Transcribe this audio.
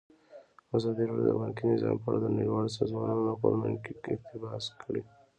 ازادي راډیو د بانکي نظام په اړه د نړیوالو سازمانونو راپورونه اقتباس کړي.